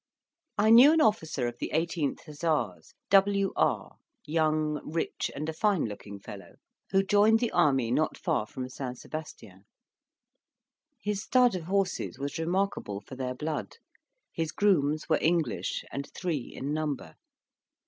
I knew an officer of the 18th Hussars, W. R., young, rich, and a fine looking fellow, who joined the army not far from St Sebastian. His stud of horses was remarkable for their blood, his grooms were English, and three in number.